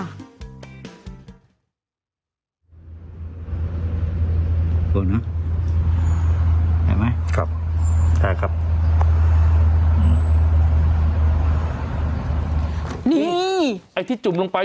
โหนะเห็นไหมครับใช่ครับ